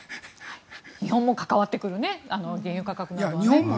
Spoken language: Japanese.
日本も関わってくる原油価格などは。